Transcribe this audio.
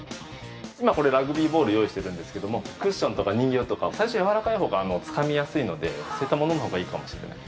今これラグビーボール用意してるんですけどもクッションとか人形とか最初やわらかい方がつかみやすいのでそういったものの方がいいかもしれない。